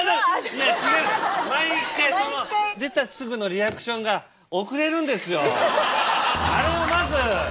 いや違う毎回その出たすぐのリアクションが遅れるんですよ。